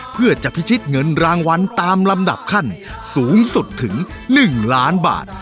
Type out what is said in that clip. เพื่อจะพิชิตเงินรางวัลตามลำดับขั้นสูงสุดถึง๑ล้านบาท